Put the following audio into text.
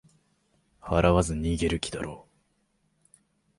払わず逃げる気だろう